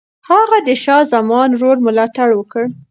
هغه د شاه زمان د ورور ملاتړ وکړ.